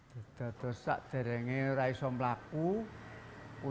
setelah saya mulai melakukannya